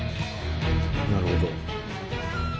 なるほど。